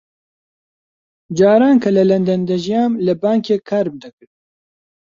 جاران کە لە لەندەن دەژیام لە بانکێک کارم دەکرد.